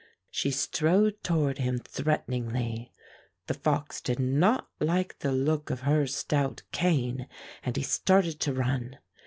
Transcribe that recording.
She strode toward him threateningly. The fox did not like the look of her stout cane, and he started to run.